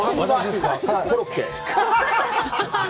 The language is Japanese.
コロッケ。